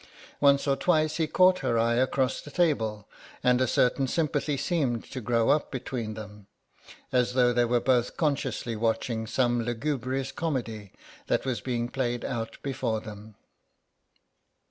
Once or twice he caught her eye across the table, and a certain sympathy seemed to grow up between them, as though they were both consciously watching some lugubrious comedy that was being played out before them.